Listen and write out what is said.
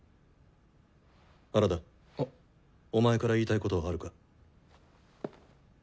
原田お前から言いたいことはあるか？